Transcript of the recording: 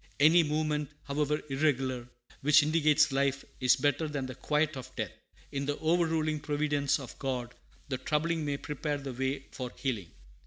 Any movement, however irregular, which indicates life, is better than the quiet of death. In the overruling providence of God, the troubling may prepare the way for healing.